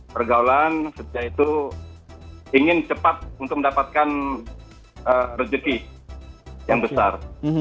pergaulan sejak itu ingin cepat untuk mendapatkan rezeki yang besar